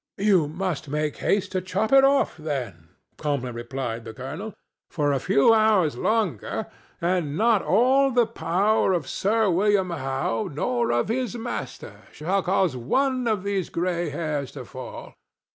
"You must make haste to chop it off, then," calmly replied the colonel, "for a few hours longer, and not all the power of Sir William Howe, nor of his master, shall cause one of these gray hairs to fall.